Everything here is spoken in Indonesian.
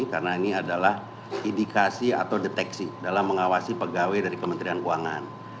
karena ini adalah indikasi atau deteksi dalam mengawasi pegawai dari kementerian keuangan